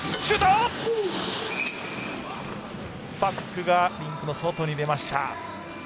パックがリンクの外に出ました。